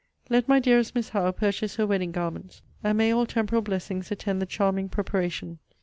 Let my dearest Miss Howe purchase her wedding garments and may all temporal blessings attend the charming preparation!